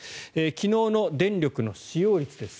昨日の電力の使用率です。